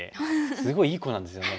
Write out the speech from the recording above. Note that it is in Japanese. すごいいい子なんですよね。